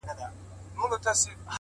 o خدايه زارۍ کومه سوال کومه،